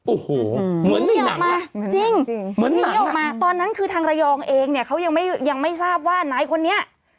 โอ้โหเหมือนมีหนังอะจริงหนีออกมาตอนนั้นคือทางระยองเองเนี่ยเขายังไม่ทราบว่าไหนคนนี้